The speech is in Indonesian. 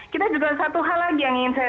kita juga satu hal lagi yang ingin saya